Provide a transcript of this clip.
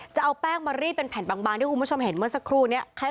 จะเอาแป้งมารีดเป็นแผ่นบางที่คุณผู้ชมเห็นเมื่อสักครู่นี้